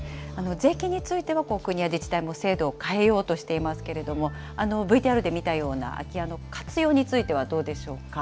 税金については国や自治体も制度を変えようとしていますけれども、ＶＴＲで見たような空き家の活用についてはどうでしょうか。